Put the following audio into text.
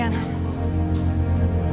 aku akan mencari